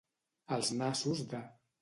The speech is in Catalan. Als nassos de.